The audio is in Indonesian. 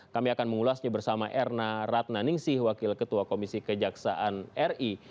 kami akan mengulasnya bersama erna ratna ningsih wakil ketua komisi kejaksaan ri